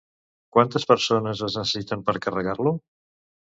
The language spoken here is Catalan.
Quantes persones es necessiten per carregar-lo?